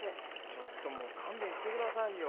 ちょっともう勘弁してくださいよ。